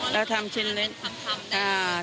แล้วทำชิ้นเล็กทานเป็นคำได้